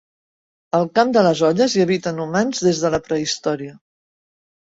Al Camp de les Olles hi habiten humans des de la prehistòria.